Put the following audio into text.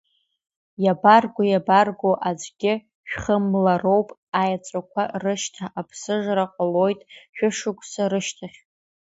Иабарго иабарго аӡәгьы шәхымлароуп аеҵәақәа рышьҭа, аԥсыжра ҟалоит шәышықәса рышьҭахь.